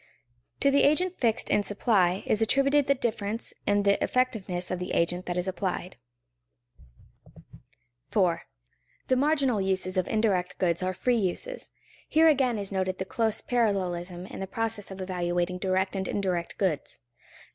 To the agent fixed in supply is attributed the difference in the effectiveness of the agent that is applied. [Sidenote: The relentless extensive margin of agents] 4. The marginal uses of indirect goods are free uses. Here again is noted the close parallelism in the process of evaluating direct and indirect goods.